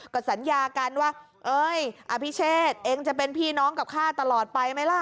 ก็สัญญากันว่าเอ้ยอภิเชษเองจะเป็นพี่น้องกับข้าตลอดไปไหมล่ะ